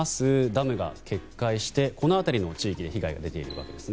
ダムが決壊してこの辺りの地域に被害が出ています。